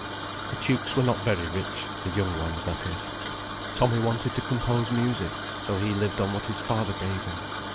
The Tukes were not very rich—the young ones, that is. Tommy wanted to compose music, so he lived on what his father gave him.